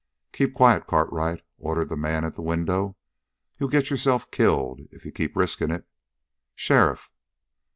"Keep quiet, Cartwright," ordered the man at the window. "You'll get yourself killed if you keep risking it. Sheriff!"